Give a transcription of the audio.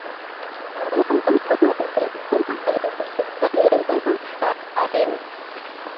kuunga mkono waziri mkuu mwangalizi wa serikali ya lebanon saad hariri